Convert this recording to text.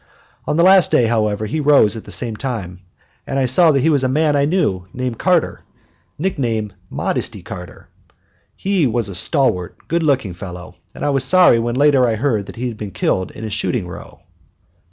On the last day, however, he rose at the same time and I saw that he was a man I knew named Carter, and nicknamed "Modesty" Carter. He was a stalwart, good looking fellow, and I was sorry when later I heard that he had been killed in a shooting row.